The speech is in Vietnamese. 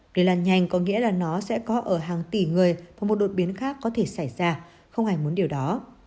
lây lan nhanh có nghĩa là nó sẽ có ở hàng tỷ người và một đột biến khác có thể xảy ra không ai muốn điều đó